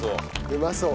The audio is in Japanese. うまそう！